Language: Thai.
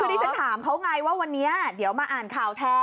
คือดิฉันถามเขาไงว่าวันนี้เดี๋ยวมาอ่านข่าวแทน